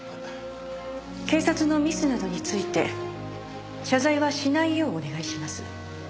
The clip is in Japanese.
警察のミスなどについて謝罪はしないようお願いします。